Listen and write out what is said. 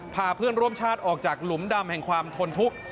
พาเพื่อนร่วมชาติออกจากหลุมดำแห่งความทนทุกข์